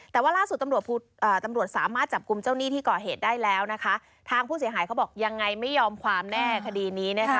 แต่ว่าล่าสุดตำรวจสามารถจับกลุ่มเจ้าหนี้ที่ก่อเหตุได้แล้วนะคะทางผู้เสียหายเขาบอกยังไงไม่ยอมความแน่คดีนี้นะคะ